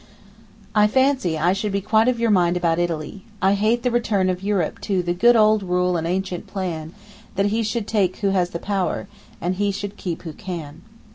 I fancy I should be quite of your mind about Italy. I hate the return of Europe to 'The good old rule and ancient plan, That he should take who has the power, And he should keep who can.